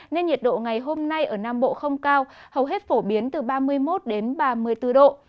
nên nhiệt độ ngày hôm nay ở nam bộ không cao hầu hết phổ biến từ ba mươi một đến ba mươi bốn độ